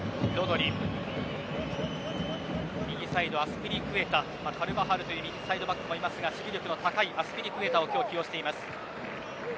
右サイド、アスピリクエタカルヴァハルという右サイドバックもありますが攻撃力の高いアスピリクエタを起用してきます。